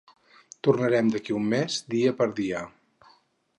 Tornarem d'aquí a un mes dia per dia.